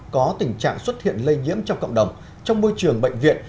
có tình trạng xuất hiện lây nhiễm trong cộng đồng trong môi trường bệnh viện